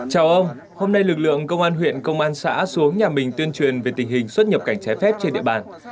chào ông hôm nay lực lượng công an huyện công an xã xuống nhà mình tuyên truyền về tình hình xuất nhập cảnh trái phép trên địa bàn